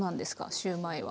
シューマイは。